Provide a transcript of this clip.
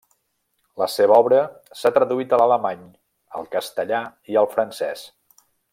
La seva obra s'ha traduït a l'alemany, al castellà i al francès.